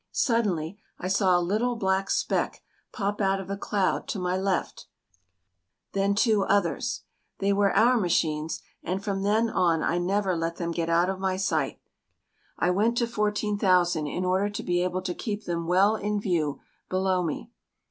Suddenly I saw a little black speck pop out of a cloud to my left then two others. They were our machines and from then on I never let them get out of my sight. I went to 14,000 in order to be able to keep them well in view below me.